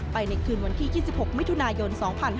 ในคืนวันที่๒๖มิถุนายน๒๕๕๙